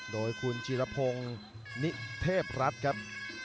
โดยคุณจีรพงศ์นิเทพรัฐครับ